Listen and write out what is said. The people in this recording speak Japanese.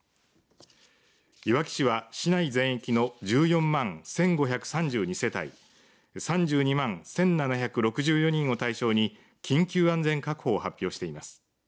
いわき市は市内全域の１４万１５３２世帯３２万１７６４人を対象に緊急安全確保を発表しています。